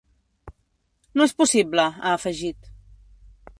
No és possible, ha afegit.